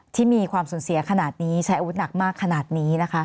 ที่มีความสูญเสียขนาดนี้ใช้อาวุธหนักมากขนาดนี้นะคะ